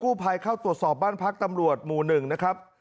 ผู้ภัยเข้าตรวจสอบบ้านพักตำรวจหมู่๑นะครับ